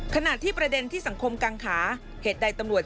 ขณะที่ประเด็นสังคมกางคา